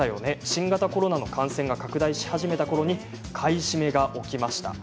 新型コロナの感染が拡大し始めたころに買い占めが起きました。